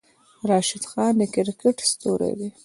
راشد خان د کرکیټ ستوری دی.